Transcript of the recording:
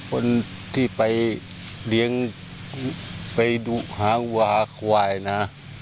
คนที่ไปเลี้ยงไปดูหาหูหาหลายนะ